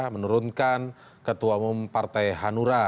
menurunkan ketua umum partai hanura